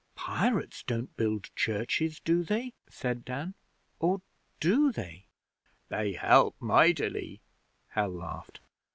'Pirates don't build churches, do they?' said Dan. 'Or do they?' 'They help mightily,' Hal laughed.